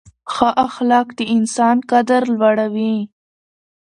ښه اخلاق د انسان قدر لوړوي.